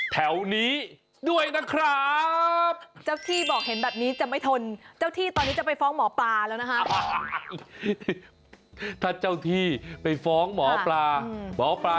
แถวนี้ด้วยนะครับ